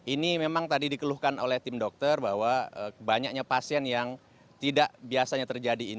ini memang tadi dikeluhkan oleh tim dokter bahwa banyaknya pasien yang tidak biasanya terjadi ini